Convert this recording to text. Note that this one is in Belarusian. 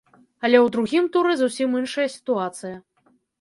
Але ў другім туры зусім іншая сітуацыя.